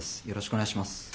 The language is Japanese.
よろしくお願いします。